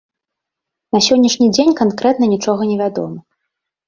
На сённяшні дзень канкрэтна нічога не вядома.